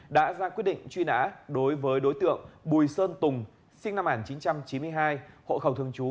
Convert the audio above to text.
đã ra quyết định truy nã đối với đối tượng bùi sơn tùng sinh năm một nghìn chín trăm chín mươi hai hộ khẩu thường trú